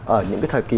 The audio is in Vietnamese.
ở những cái thời kỳ